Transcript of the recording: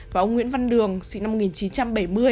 và ông nguyễn văn đường sinh năm một nghìn chín trăm bảy mươi